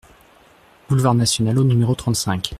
Boulevard National au numéro trente-cinq